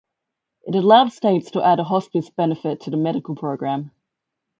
It allowed States to add a hospice benefit to the Medical program.